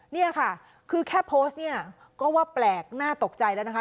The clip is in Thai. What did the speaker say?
นี่ค่ะคือแค่โพสต์เนี่ยก็ว่าแปลกน่าตกใจแล้วนะคะ